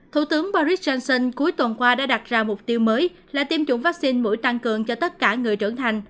thủ tướng boris johnson cuối tuần qua đã đặt ra mục tiêu mới là tiêm chủng vaccine mũi tăng cường cho tất cả người trưởng thành